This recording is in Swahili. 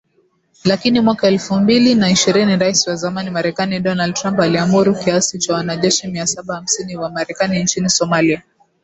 Lakini mwaka wa elfu mbili na ishirini Rais wa zamani Marekani Donald Trump aliamuru kiasi cha wanajeshi mia saba hamsini wa Marekani nchini Somalia.